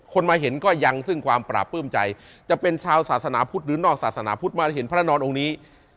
มาเห็นก็ยังซึ่งความปราบปลื้มใจจะเป็นชาวศาสนาพุทธหรือนอกศาสนาพุทธมาเห็นพระนอนองค์นี้